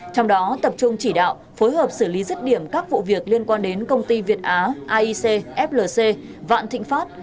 trong đó tập trung chỉ đạo phối hợp xử lý rứt điểm các vụ việc liên quan đến công ty việt á aic flc vạn thịnh pháp